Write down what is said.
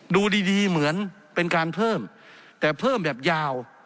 ดูดีดีเหมือนเป็นการเพิ่มแต่เพิ่มแบบยาว